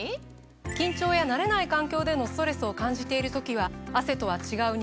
緊張や慣れない環境でのストレスを感じている時は汗とは違う